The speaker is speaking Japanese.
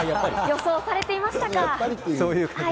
予想されていましたか。